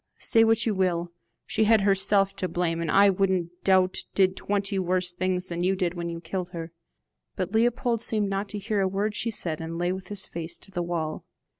Say what you will, she had herself to blame, and I don't doubt did twenty worse things than you did when you killed her." But Leopold seemed not to hear a word she said, and lay with his face to the wall.